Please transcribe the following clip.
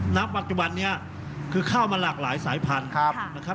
ณปัจจุบันนี้คือข้าวมาหลากหลายสายพันธุ์นะครับ